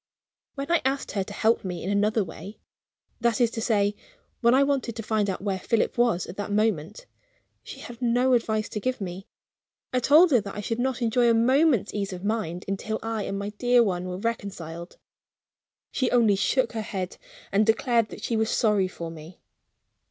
When I asked her to help me in another way that is to say, when I wanted to find out where Philip was at that moment she had no advice to give me. I told her that I should not enjoy a moment's ease of mind until I and my dear one were reconciled. She only shook her head and declared that she was sorry for me.